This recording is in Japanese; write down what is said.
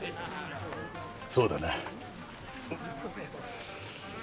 そうだな。